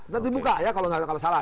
nanti buka ya kalau salah